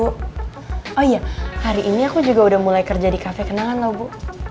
oh iya hari ini aku juga udah mulai kerja di kafe kenangan loh bu